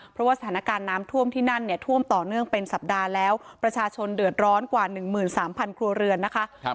เพราะว่าสถานการณ์น้ำท่วมที่นั่นเนี่ยท่วมต่อเนื่องเป็นสัปดาห์แล้วประชาชนเดือดร้อนกว่า๑๓๐๐ครัวเรือนนะคะ